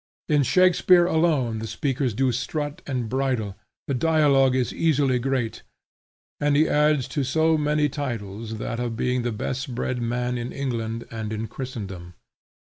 In Shakspeare alone the speakers do not strut and bridle, the dialogue is easily great, and he adds to so many titles that of being the best bred man in England and in Christendom.